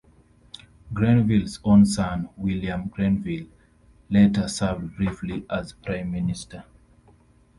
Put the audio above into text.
Grenville's own son, William Grenville, later served briefly as Prime Minister.